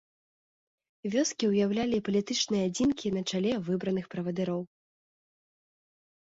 Вёскі ўяўлялі палітычныя адзінкі на чале выбраных правадыроў.